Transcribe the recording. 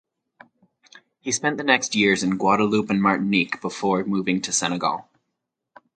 He spent the next years in Guadeloupe and Martinique before moving to Senegal.